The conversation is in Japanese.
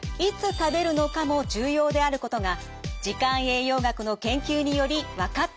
食べるのかも重要であることが時間栄養学の研究により分かってきました。